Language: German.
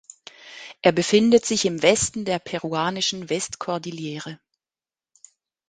Er befindet sich im Westen der peruanischen Westkordillere.